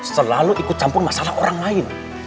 selalu ikut campur masalah orang lain